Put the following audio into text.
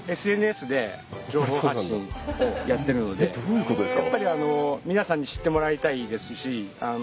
えどういうことですか？